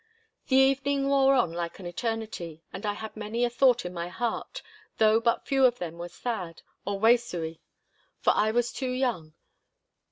The evening wore on like eternity, and I had many a thought in my heart, though but few of them were sad or waesooie, for I was too young.